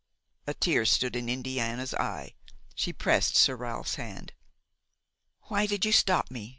A tear stood in Indiana's eye. She pressed Sir Ralph's hand. "Why did you stop me?"